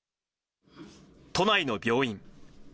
都内の病院。